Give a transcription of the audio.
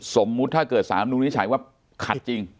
สมมุติถ้าเกิดสารมนุนวินิจฉัยว่าขัดจริง